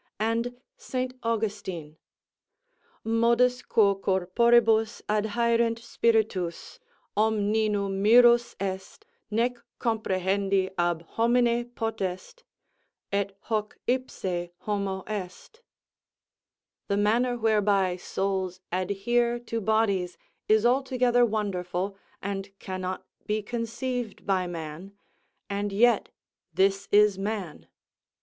And St Augustin, Modus quo corporibus adhorent spiritus.... omnino minis est, nec comprehendi ab homine potest; et hoc ipse homo est, "The manner whereby souls adhere to bodies is altogether wonderful, and cannot be conceived by man, and yet this is man."